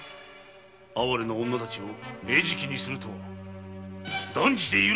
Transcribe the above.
哀れな女たちを餌食にするとは断じて許さんぞ！